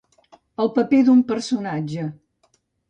El paper d'un personatge.